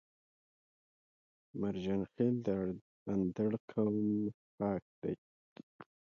مرجان خيل د اندړ قوم خاښ دی